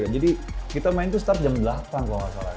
jadi kita main tuh setiap jam delapan kalau gak salah